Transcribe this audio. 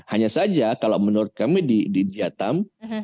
hanya saja kalau menurut kami di jatam